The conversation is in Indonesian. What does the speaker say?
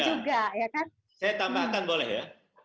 saya tambahkan boleh ya